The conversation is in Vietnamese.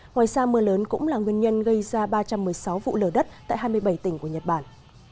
ngoài ra mưa lớn cũng là nguyên nhân gây ra ba trăm một mươi sáu vụ lở đất tại hai mươi bảy tỉnh của nhật bản